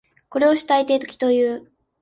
これを主体的という。